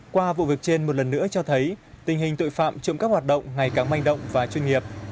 qua vụ việc trên một lần nữa cho thấy tình hình tội phạm trộm cắp hoạt động ngày càng manh động và chuyên nghiệp